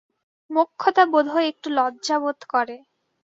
মোক্ষদা বোধহয় একটু লজ্জাবোধ করে।